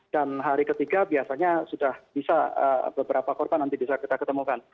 dan hari ketiga biasanya sudah bisa beberapa korban nanti bisa kita ketemukan